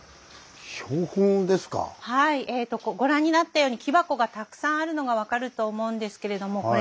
ご覧になったように木箱がたくさんあるのが分かると思うんですけれどもこれ何だと思いますか？